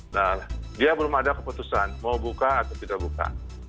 nah dia belum ada keputusan mau buka atau tidak buka